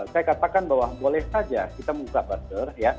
saya katakan bahwa boleh saja kita membuka border ya